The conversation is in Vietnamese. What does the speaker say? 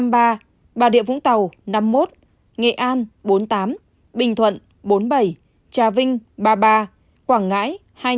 bà địa vũng tàu năm mươi một nghệ an bốn mươi tám bình thuận bốn mươi bảy trà vinh ba mươi ba quảng ngãi hai mươi năm